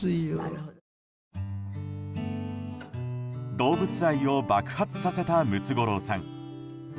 動物愛を爆発させたムツゴロウさん。